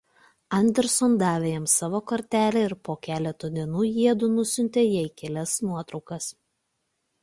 Anderson davė jam savo kortelę ir po keleto dienų jiedu nusiuntė jai kelias nuotraukas.